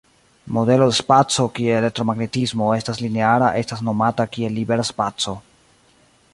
Modelo de spaco kie elektromagnetismo estas lineara estas nomata kiel libera spaco.